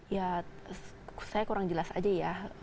ya saya kurang jelas aja ya